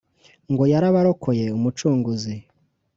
Ngo yarabarokoye umucunguzi